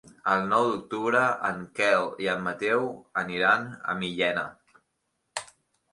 El nou d'octubre en Quel i en Mateu aniran a Millena.